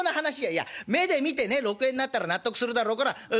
「いや目で見てね６円になったら納得するだろうからそろばん出しな」。